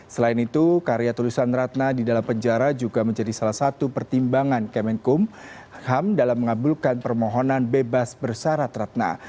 selain itu karya tulisan ratna di dalam penjara juga menjadi salah satu pertimbangan kemenkum ham dalam mengabulkan permohonan bebas bersarat ratna